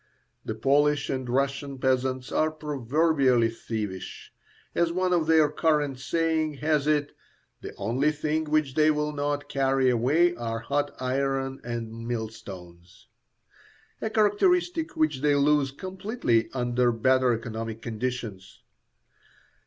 The Polish and Russian peasants are proverbially thievish; as one of their current sayings has it, "the only things which they will not carry away are hot iron and millstones," a characteristic which they lose completely under better economic conditions.